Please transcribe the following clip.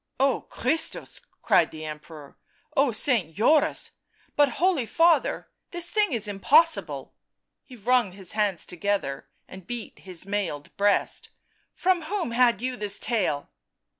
" Oh, Christus !" cried the Emperor. " Oh, Saint Joris !— but, holy father — this thing is impossible !" He wrung his hands together and beat his mailed breast. "From whom had you this tale?"